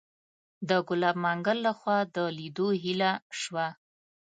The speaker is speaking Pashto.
د ګلاب منګل لخوا د لیدو هیله شوه.